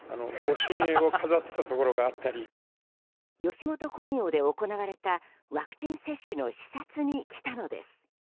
吉本興業で行われたワクチン接種の視察に来たのです。